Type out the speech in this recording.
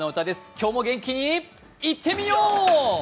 今日も元気にいってみよう！